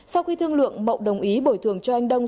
sau khi thương lượng mậu đồng ý bồi thường cho anh đông